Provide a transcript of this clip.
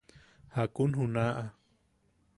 –¿Jakun junaʼa?